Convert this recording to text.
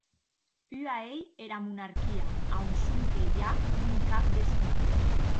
Ua ei era monarquia, a on sonque i a un cap d'Estat.